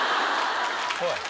おい！